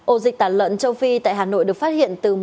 ổ dịch tả lợn châu phi tại hà nội được phát hiện từ